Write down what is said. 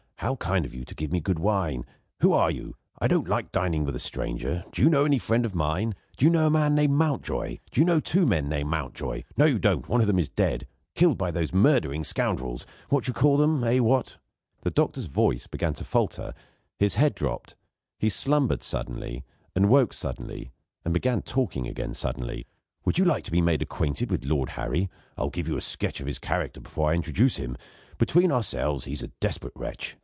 How kind of you to give me good wine. Who are you? I don't like dining with a stranger. Do you know any friend of mine? Do you know a man named Mountjoy? Do you know two men named Mountjoy? No: you don't. One of them is dead: killed by those murdering scoundrels what do you call them? Eh, what?" The doctor's voice began to falter, his head dropped; he slumbered suddenly and woke suddenly, and began talking again suddenly. "Would you like to be made acquainted with Lord Harry? I'll give you a sketch of his character before I introduce him. Between ourselves, he's a desperate wretch.